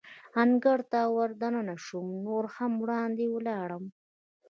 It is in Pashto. انګړ ته ور دننه شوم، نور هم وړاندې ولاړم.